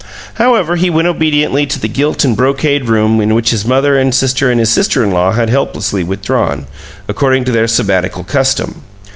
However, he went obediently to the gilt and brocade room in which his mother and his sister and his sister in law had helplessly withdrawn, according to their Sabbatical custom.